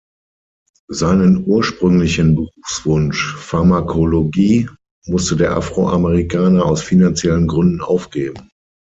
Seinen ursprünglichen Berufswunsch, Pharmakologie, musste der Afroamerikaner aus finanziellen Gründen aufgeben.